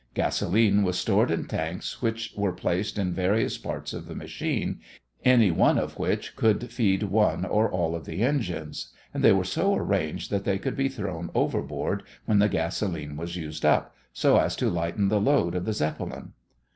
Gasolene was stored in tanks which were placed in various parts of the machine, any one of which could feed one or all of the engines, and they were so arranged that they could be thrown overboard when the gasolene was used up, so as to lighten the load of the Zeppelin.